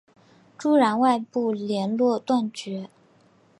朱然外部连络断绝。